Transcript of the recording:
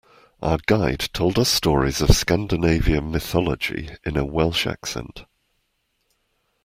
Our guide told us stories of Scandinavian mythology in a Welsh accent.